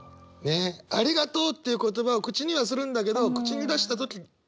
ねっ「ありがとう」っていう言葉を口にはするんだけど口に出した時思うんだよね。